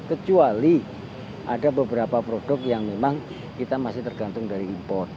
kecuali ada beberapa produk yang memang kita masih tergantung dari impor